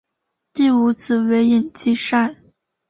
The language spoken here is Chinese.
第五子为尹继善。